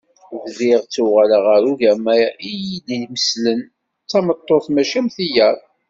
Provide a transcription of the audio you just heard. Bdiɣ ttuɣaleɣ ɣer ugama iyi-d-imeslen d tameṭṭut mačči am tiyaḍ.